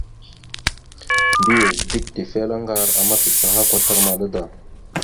Mbiyez dik tefelaŋar a macacaha kwatar maɗa da.